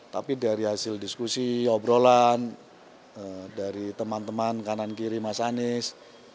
tapi dari hasil diskusi obrolan dari teman teman kanan kiri mas anies